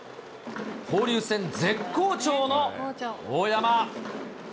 交流戦絶好調の大山。